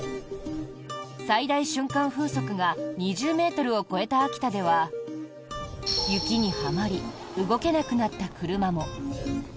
最大瞬間風速が２０ｍを超えた秋田では雪にはまり動けなくなった車も。